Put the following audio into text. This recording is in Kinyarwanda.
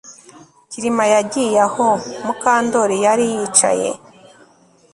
Kirima yagiye aho Mukandoli yari yicaye